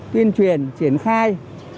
tuyên truyền triển khai